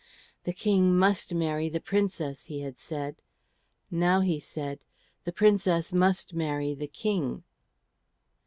"The King must marry the Princess," he had said; now he said, "The Princess must marry the King."